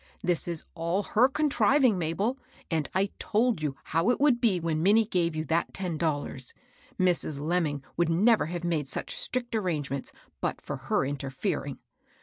This is all her contriving, Mabel ; and I told you how it would be when Minnie gave you that ten dollars. Mrs. Lemming would never have made such strict arrangements but for her interfering.